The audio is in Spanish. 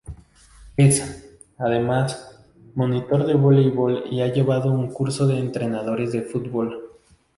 Es, además, monitor de vóleibol y ha llevado un Curso de Entrenadores de Fútbol.